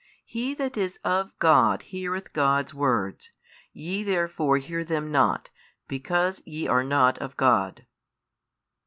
47 He that is of God heareth God's words; YE therefore hear them not, because ye are not of God.